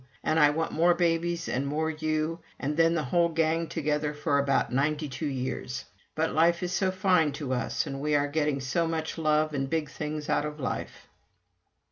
And I want more babies and more you, and then the whole gang together for about ninety two years. But life is so fine to us and we are getting so much love and big things out of life!"